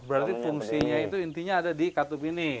berarti fungsinya itu intinya ada di katub ini